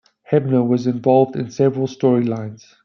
Hebner was involved in several storylines.